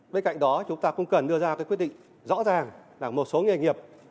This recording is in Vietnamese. bên cạnh đó chúng ta cũng cần đưa ra cái quyết định rõ ràng là một số nghề nghiệp